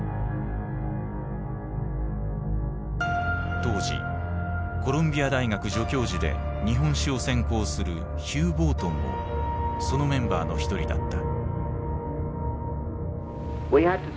当時コロンビア大学助教授で日本史を専攻するヒュー・ボートンもそのメンバーの一人だった。